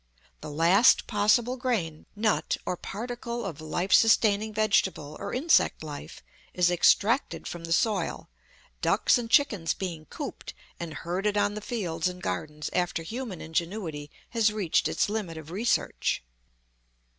The last possible grain, nut, or particle of life sustaining vegetable or insect life is extracted from the soil, ducks and chickens being cooped and herded on the fields and gardens after human ingenuity has reached its limit of research.